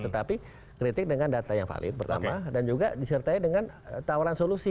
tetapi kritik dengan data yang valid pertama dan juga disertai dengan tawaran solusi